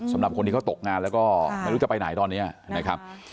สำหรับคนที่เขาตกงานแล้วก็ไม่รู้จะไปไหนตอนนี้นะครับ